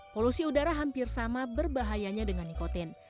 polusi udara hampir sama berbahayanya dengan nikotin